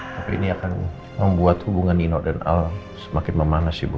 tapi ini akan membuat hubungan nino dan al semakin memanas ibu